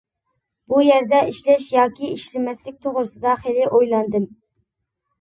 بۇ يەردە ئىشلەش ياكى ئىشلىمەسلىك توغرىسىدا خىلى ئويلاندىم.